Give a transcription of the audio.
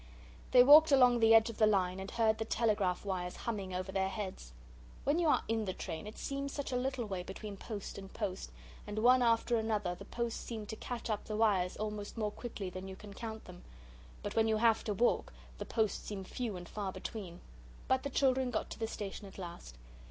They walked along the edge of the line, and heard the telegraph wires humming over their heads. When you are in the train, it seems such a little way between post and post, and one after another the posts seem to catch up the wires almost more quickly than you can count them. But when you have to walk, the posts seem few and far between. But the children got to the station at last.